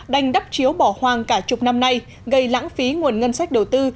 đành đắp chiếu bỏ hoang cả chục năm nay gây lãng phí nguồn ngân sách đầu tư